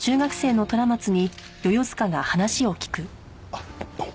あっどうも。